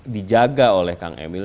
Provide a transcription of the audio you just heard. dijaga oleh kang emil